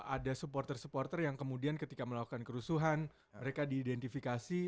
ada supporter supporter yang kemudian ketika melakukan kerusuhan mereka diidentifikasi